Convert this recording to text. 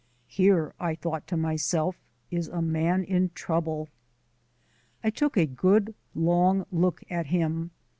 "Here," I thought to myself, "is a man in trouble." I took a good long look at him.